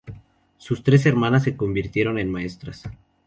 Sus tres hermanas se convirtieron en maestras.